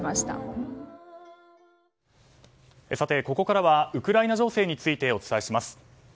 ここからはウクライナ情勢についてお伝えします。